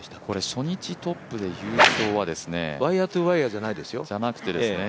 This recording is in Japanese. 初日トップで優勝はワイヤー・トゥ・ワイヤーじゃないですよ。